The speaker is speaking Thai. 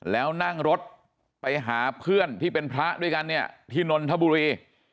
แล้วนั่งรถไปหาเพื่อนที่เป็นพระด้วยกันเนี่ยที่นนทบุรี